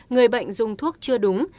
người bệnh dùng thuốc chưa đúng